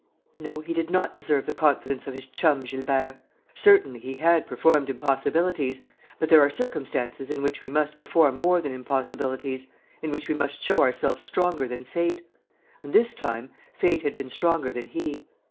No, he did not deserve the confidence of his chum Gilbert. Certainly, he had performed impossibilities; but there are circumstances in which we must perform more than impossibilities, in which we must show ourselves stronger than fate; and, this time, fate had been stronger than he.